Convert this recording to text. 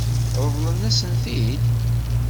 Ṛeḍlent-asen-t-id?